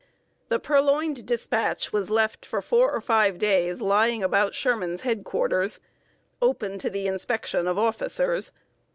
The purloined dispatch was left for four or five days lying about Sherman's head quarters, open to the inspection of officers.